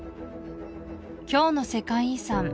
今日の世界遺産